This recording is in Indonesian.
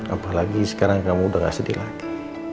apalagi sekarang kamu udah gak sedih lagi